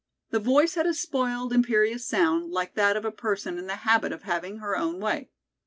The voice had a spoiled, imperious sound, like that of a person in the habit of having her own way.